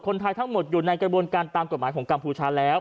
ทั้งหมดอยู่ในกระบวนการตามกฎหมายของกัมพูชาแล้ว